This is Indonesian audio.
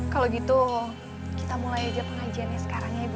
kalau gitu kita mulai aja pengajiannya sekarang ya ibu